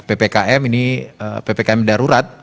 ppkm ini ppkm darurat